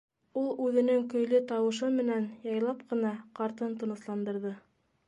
Ул үҙенең көйлө тауышы менән яйлап ҡына ҡартын тынысландырҙы: